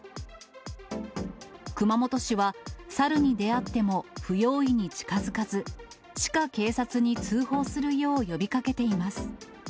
熊本市は、サルに出会っても不用意に近づかず、市か警察に通報するよう呼びかけています。